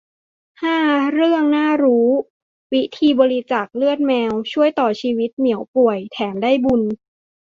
ห้า เรื่องน่ารู้วิธีบริจาคเลือดแมว ช่วยต่อชีวิตเหมียวป่วย แถมได้บุญ